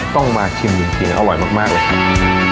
ต้องมาชิมจริงอร่อยมากเลยครับ